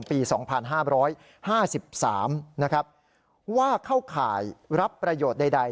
ปีสองพันห้าบร้อยห้าสิบสามนะครับว่าเข้าข่ายรับประโยชน์ได้